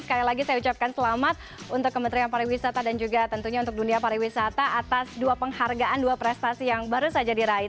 sekali lagi saya ucapkan selamat untuk kementerian pariwisata dan juga tentunya untuk dunia pariwisata atas dua penghargaan dua prestasi yang baru saja diraih